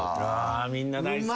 みんな大好き。